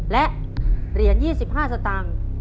และเหรียญ๒๕สตางค์